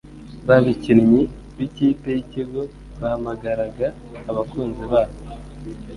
babkinnyi b ikipe y'ikigo bahamagaraga abakunzi babo